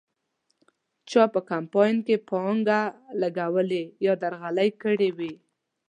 چا په کمپاین کې پانګه لګولې یا درغلۍ کړې وې.